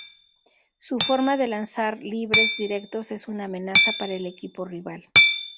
Su forma de lanzar libres directos es una amenaza para el equipo rival.